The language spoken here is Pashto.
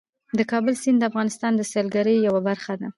د کابل سیند د افغانستان د سیلګرۍ یوه برخه ده.